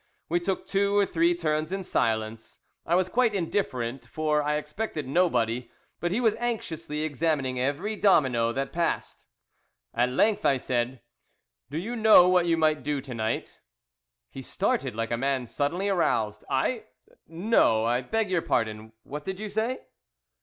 We took two or three turns in silence. I was quite indifferent, for I expected nobody, but he was anxiously examining every domino that passed. At length I said, "Do you know what you might do to night?" He started like a man suddenly aroused. "I! No. I beg your pardon; what did you say?"